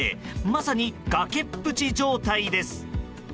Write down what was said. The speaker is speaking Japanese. まさに崖っぷち状態です。